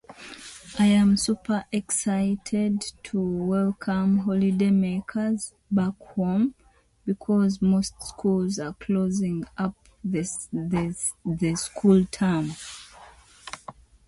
Some people keep poison fangs for the purpose of killing their enemies.